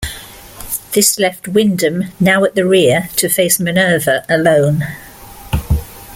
This left "Windham", now at the rear, to face "Minerve" alone.